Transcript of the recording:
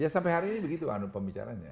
ya sampai hari ini begitu pembicaranya